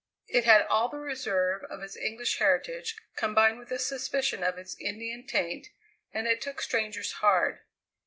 It had all the reserve of its English heritage combined with the suspicion of its Indian taint, and it took strangers hard.